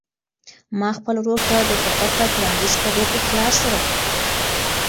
ما خپل ورور ته د پیاده تګ وړاندیز په ډېر اخلاص سره وکړ.